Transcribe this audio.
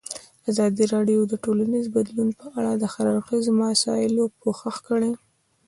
ازادي راډیو د ټولنیز بدلون په اړه د هر اړخیزو مسایلو پوښښ کړی.